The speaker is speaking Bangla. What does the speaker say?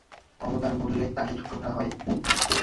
অবতার বললে তাঁকে ছোট করা হয়।